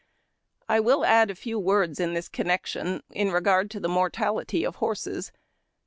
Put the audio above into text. I will add a few words in this connection in regard to the mortality of horses.